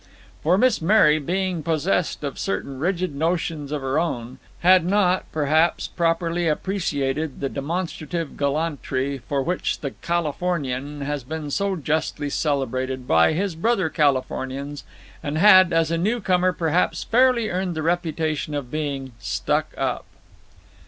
For Miss Mary, being possessed of certain rigid notions of her own, had not, perhaps, properly appreciated the demonstrative gallantry for which the Californian has been so justly celebrated by his brother Californians, and had, as a newcomer, perhaps fairly earned the reputation of being "stuck up."